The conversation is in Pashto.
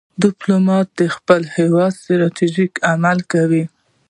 ډيپلومات د خپل هېواد ستراتیژۍ عملي کوي.